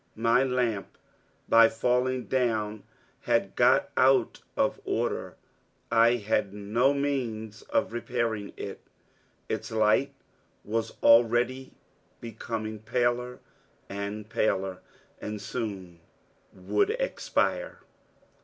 My lamp, by falling down, had got out of order. I had no means of repairing it. Its light was already becoming paler and paler, and soon would expire.